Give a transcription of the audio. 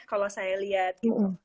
kalau saya lihat